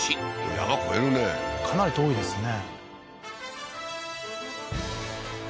山越えるねかなり遠いですね